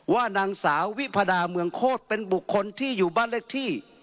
ว่านางสาววิพาดาเมืองโคตรเป็นบุคคลที่อยู่บ้านเลขที่